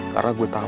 karena gue tau